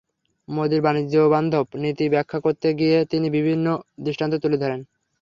মোদির বাণিজ্যবান্ধব নীতি ব্যাখ্যা করতে গিয়ে তিনি বিভিন্ন দৃষ্টান্ত তুলে ধরেন।